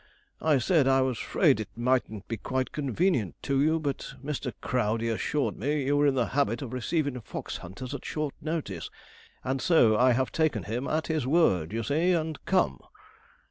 I said I was 'fraid it mightn't be quite convenient to you, but Mr. Crowdey assured me you were in the habit of receivin' fox hunters at short notice; and so I have taken him at his word, you see, and come.'